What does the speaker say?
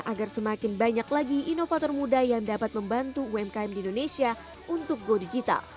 agar semakin banyak lagi inovator muda yang dapat membantu umkm di indonesia untuk go digital